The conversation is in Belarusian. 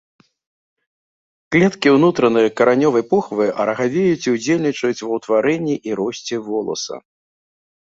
Клеткі ўнутранай каранёвай похвы арагавеюць і ўдзельнічаюць ва ўтварэнні і росце воласа.